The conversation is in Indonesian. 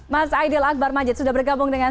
mas aidil akbar majid sudah bergabung dengan